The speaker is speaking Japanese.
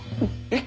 え？